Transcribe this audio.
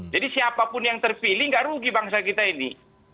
jadi siapapun yang terpilih nggak rugi bangsa kita ini